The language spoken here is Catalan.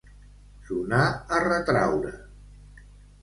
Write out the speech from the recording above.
Sonar a retraure.